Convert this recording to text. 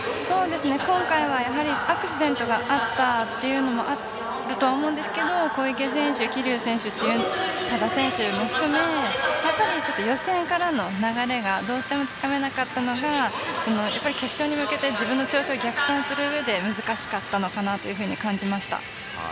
今回は、やはりアクシデントがあったというのがあると思うんですけど小池選手、桐生選手多田選手も含めやっぱり、予選からの流れがどうしてもつかめなかったのが決勝に向けて自分の調子を逆算するうえで難しかったのかなと感じました。